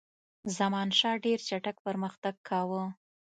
زمانشاه ډېر چټک پرمختګ کاوه.